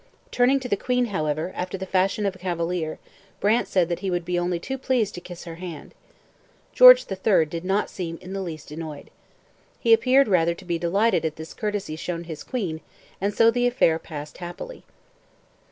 Turning to the queen, however, after the fashion of a cavalier, Brant said that he would be only too pleased to kiss her hand. George III did not seem in the least annoyed. He appeared rather to be delighted at this courtesy shown his queen, and so the affair passed happily.